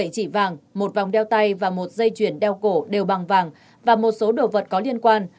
bảy chỉ vàng một vòng đeo tay và một dây chuyển đeo cổ đều bằng vàng và một số đồ vật có liên quan